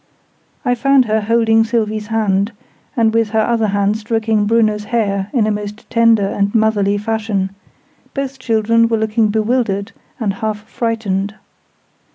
I found her holding Sylvie's hand, and with her other hand stroking Bruno's hair in a most tender and motherly fashion: both children were looking bewildered and half frightened.